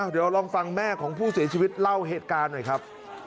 เดี๋ยวลองฟังแม่ของผู้เสียชีวิตเล่าเหตุการณ์หน่อยครับ